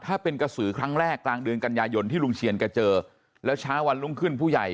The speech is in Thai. ถ้าเป็นกระสือครั้งแรกกลางเดือนกันยายนที่ลุงเชียนแกเจอแล้วเช้าวันรุ่งขึ้นผู้ใหญ่